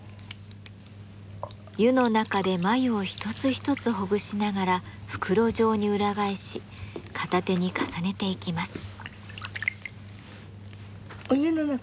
湯の中で繭を一つ一つほぐしながら袋状に裏返し片手に重ねていきます。